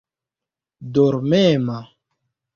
dormema